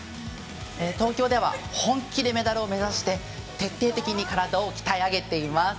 東京では本気でメダルを目指して徹底的に体を鍛え上げています。